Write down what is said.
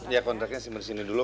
ya kontraknya sumber sini dulu